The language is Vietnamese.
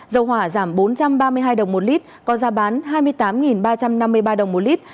dầu hỏa giảm bốn trăm ba mươi hai đồng một lít có giá bán hai mươi tám ba trăm năm mươi ba đồng một lít